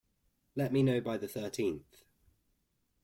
Let me know by the thirteenth.